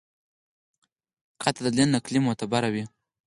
قاطع دلیل نقلي معتبر وي.